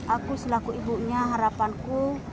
aku selaku ibunya harapanku